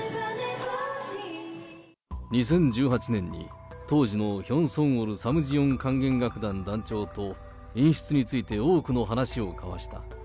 ２０１８年に、当時のヒョン・ソンウォルサムジヨン管弦楽団団長と、演出について、多くの話を交わした。